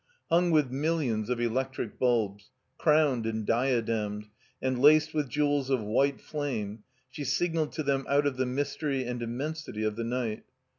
Hung with millions of electric bulbs, crowned and diademed, and laced with jewels of white flame, she signaled to them out of the mystery and immensity of the night.